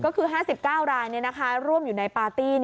ก็คือ๕๙รายร่วมอยู่ในปาร์ตี้